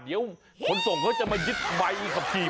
เดี๋ยวคนส่งก็จะมียิดไวร์กับขี่ผม